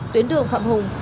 tuyến đường phạm hùng